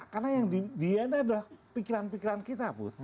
karena yang diandalkan pikiran pikiran kita